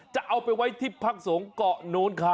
จะเอาไปไว้ที่พักสงฆ์เกาะโน้นค่ะ